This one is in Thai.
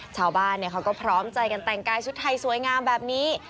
ชาวบ้านเขาก็พร้อมใจกันแต่งกายชุดไทยสวยงามแบบนี้